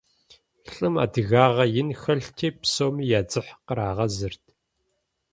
ЛӀым адыгагъэ ин хэлъти, псоми я дзыхь кърагъэзырт.